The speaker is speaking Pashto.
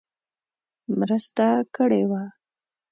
مرسته کړې وه.